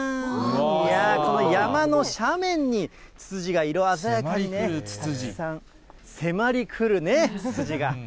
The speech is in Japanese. いやー、この山の斜面にツツジが色鮮やかにね、たくさん、迫りくるね、ツツジが。